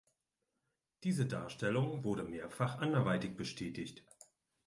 Diese Darstellung wurde mehrfach anderweitig bestätigt.